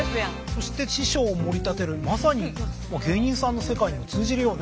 そして師匠をもり立てるまさに芸人さんの世界にも通じるような。